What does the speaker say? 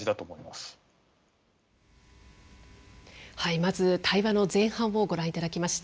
まず対話の前半をご覧いただきました。